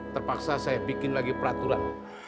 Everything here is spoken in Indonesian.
terpaksa saya bikin lagi peraturan